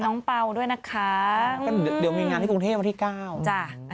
บอกมา